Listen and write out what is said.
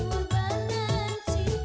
lu jangan berisik